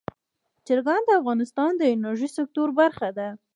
چرګان د افغانستان د انرژۍ سکتور برخه ده.